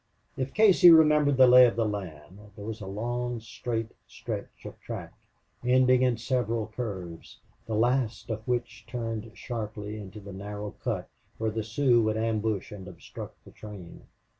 If Casey remembered the lay of the land, there was a long, straight stretch of track, ending in several curves, the last of which turned sharply into the narrow cut where the Sioux would ambush and obstruct the train.